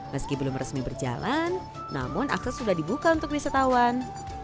meski belum resmi berjalan namun akses sudah dibuka untuk wisatawan